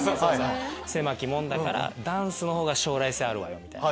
狭き門だからダンスのほうが将来性あるわよみたいな。